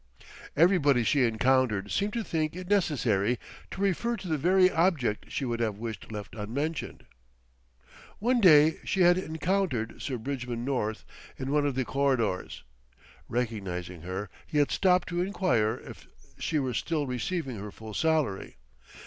Everybody she encountered seemed to think it necessary to refer to the very subject she would have wished left unmentioned. One day she had encountered Sir Bridgman North in one of the corridors. Recognising her, he had stopped to enquire if she were still receiving her full salary.